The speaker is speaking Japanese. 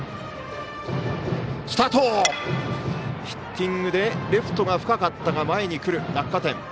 ヒッティングでレフトが深かったが前に来る。